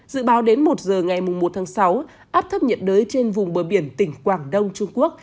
dự báo đến một giờ ngày một tháng sáu áp thấp nhiệt đới trên vùng bờ biển tỉnh quảng đông trung quốc